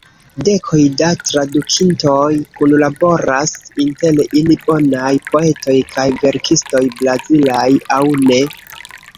Dekoj da tradukintoj kunlaboras, inter ili bonaj poetoj kaj verkistoj, brazilaj aŭ ne.